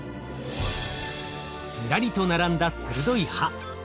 ずらりと並んだ鋭い歯。